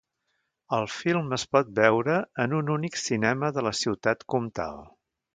El film es pot veure en un únic cinema de la Ciutat Comtal.